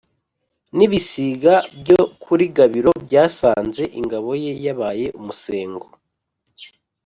N’ibisiga byo kuli Gabiro byasanze ingabo ye yabaye umusengo,